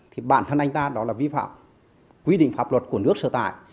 thì bản thân anh ta đó là vi phạm quy định pháp luật của nước sở tại